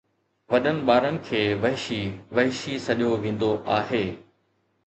وڏن ٻارن کي وحشي وحشي سڏيو ويندو آهي